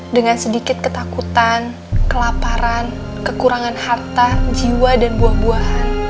dengan sedikit ketakutan kelaparan kekurangan harta jiwa dan buah buahan